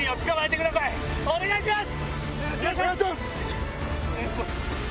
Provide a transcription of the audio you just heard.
お願いします！